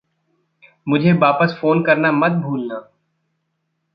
मुझे वापस फ़ोन करना मत भूलना।